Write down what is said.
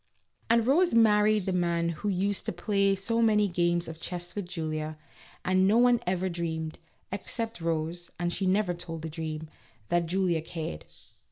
And Rose married the man who used to play so many games of chess with Julia, and no one ever dreamed (except Rose, and she never told the dream) that Julia cared.